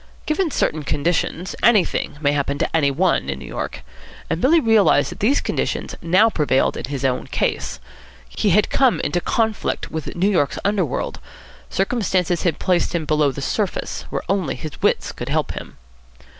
Given certain conditions, anything may happen to any one in New York. And Billy realised that these conditions now prevailed in his own case. He had come into conflict with New York's underworld. Circumstances had placed him below the surface, where only his wits could help him.